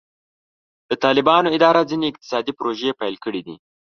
د طالبانو اداره ځینې اقتصادي پروژې پیل کړې دي.